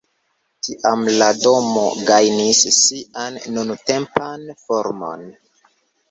Tiam la domo gajnis sian nuntempan formon.